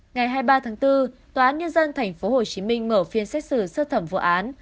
ngày hai mươi ba tháng bốn tòa án nhân dân tp hcm mở phiên xét xử sơ thẩm vụ án